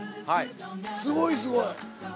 すごいすごい。